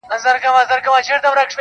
• چي په خیال کي سوداګر د سمرقند وو -